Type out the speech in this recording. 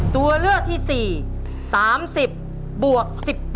ตัวเลือกที่๔๓๐บวก๑๘